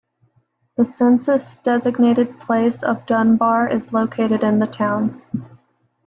The census-designated place of Dunbar is located in the town.